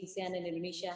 sian dan indonesia